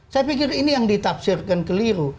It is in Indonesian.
saya pikir ini yang ditafsirkan keliru